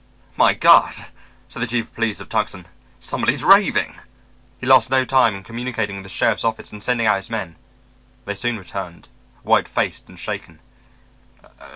"My God!" said the chief of police of Tucson, "somebody's raving." He lost no time in communicating with the sheriff's office and sending out his men. They soon returned, white faced and shaken.